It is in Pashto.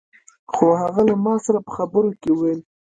خو هغه له ما سره په خبرو کې وويل.